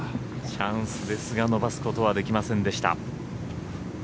チャンスですが伸ばすことはできませんでした。